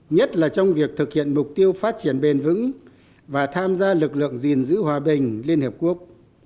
nhất là trong việc thực hiện mục tiêu phát triển bền vững và tham gia lực lượng gìn giữ hòa bình liên hợp quốc